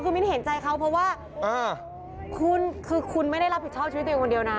คือมิ้นเห็นใจเขาเพราะว่าคุณคือคุณไม่ได้รับผิดชอบชีวิตตัวเองคนเดียวนะ